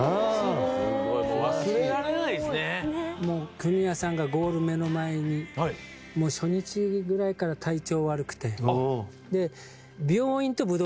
フミヤさんがゴールを目の前にもう初日ぐらいから体調悪くて。